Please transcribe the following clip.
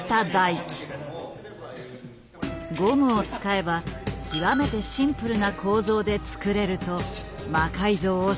ゴムを使えば極めてシンプルな構造で作れると魔改造を進めていた。